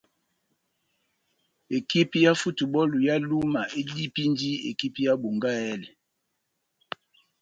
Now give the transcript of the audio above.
Ekipi ya Futubὸlu ya Luma edipindi ekipi ya Bongahèlè.